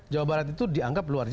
jawa barat itu dianggap luar biasa